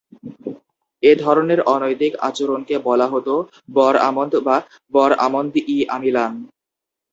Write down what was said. এ ধরণের অনৈতিক আচরণকে বলা হতো বর-আমন্দ বা বর-আমন্দ-ই-আমিলান।